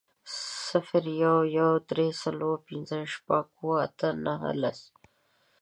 صفر، يو، دوه، درې، څلور، پنځه، شپږ، اووه، اته، نهه، لس